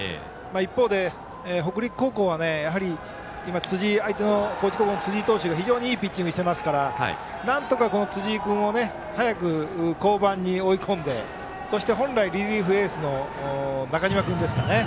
一方で、北陸高校はやはり辻井投手が非常にいいピッチングをしていますからなんとか辻井君を早く降板に追い込んで本来リリーフエースの中嶋君ですかね。